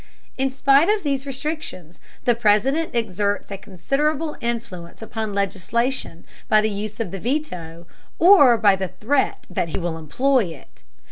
In spite of these restrictions, the President exerts a considerable influence upon legislation by the use of the veto, or by the threat that he will employ it.